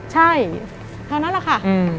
ใช่เท่านั้นแหละค่ะ